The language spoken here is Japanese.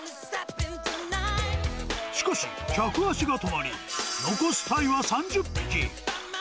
しかし、客足が止まり、残すタイは３０匹。